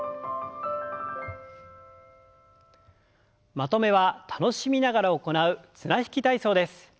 まとめは楽しみながら行う綱引き体操です。